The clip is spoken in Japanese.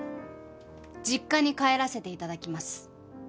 実家に帰らせて頂きます。